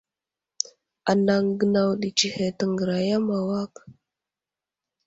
Anaŋ gənaw ɗi tsəhed təŋgəraya ma awak.